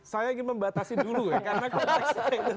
saya ingin membatasi dulu ya